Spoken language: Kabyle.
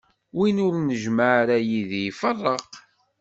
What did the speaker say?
Win ur njemmeɛ ara yid-i, iferreq.